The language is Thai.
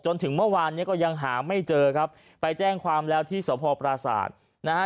จนถึงเมื่อวานเนี้ยก็ยังหาไม่เจอครับไปแจ้งความแล้วที่สพปราศาสตร์นะฮะ